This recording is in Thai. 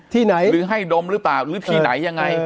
ที่ไหนหรือให้ดมหรือเปล่าหรือที่ไหนยังไง